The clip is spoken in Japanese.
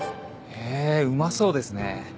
へぇうまそうですね。